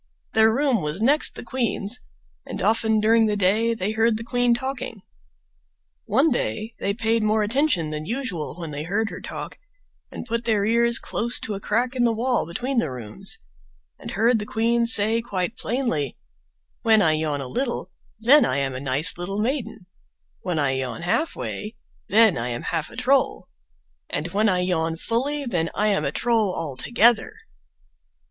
Their room was next the queen's, and often during the day they heard the queen talking. One day they paid more attention than usual when they heard her talk, and put their ears close to a crack in the wall between the rooms, and heard the queen say quite plainly: "When I yawn a little, then I am a nice little maiden: when I yawn halfway, then I am half a troll; and when I yawn fully then I am a troll altogether."